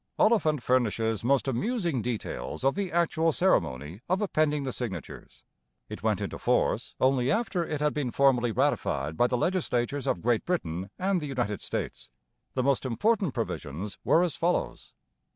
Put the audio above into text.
Oliphant furnishes most amusing details of the actual ceremony of appending the signatures. It went into force only after it had been formally ratified by the legislatures of Great Britain and the United States. The most important provisions were as follows.